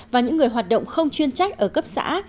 và những người hoạt động không chuyên trách ở cấp xã